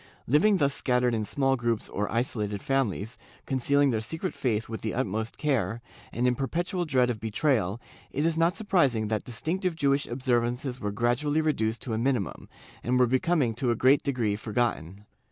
Living thus scat tered in small groups or isolated families, concealing their secret faith with the utmost care, and in perpetual dread of betrayal, it is not surprising that distinctive Jewish observances were gradually reduced to a minimum, and were becoming to a great degree forgotten.